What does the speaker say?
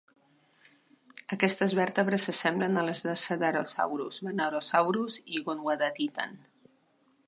Aquestes vèrtebres s'assemblen a les de "cedarosaurus", "venenosaurus" i "gondwanatitan".